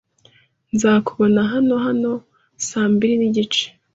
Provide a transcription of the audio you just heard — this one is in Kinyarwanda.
Nzakubona hano hano saa mbiri n'igice.